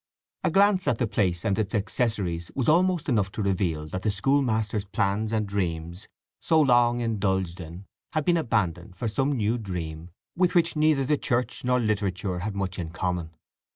A glance at the place and its accessories was almost enough to reveal that the schoolmaster's plans and dreams so long indulged in had been abandoned for some new dream with which neither the Church nor literature had much in common.